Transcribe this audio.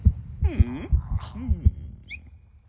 うん。